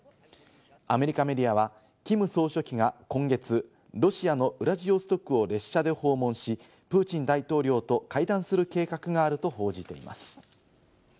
アメリカメディアは、キム総書記が今月、ロシアのウラジオストクを列車で訪問し、プーチン大統領と会談する計画があると報じています。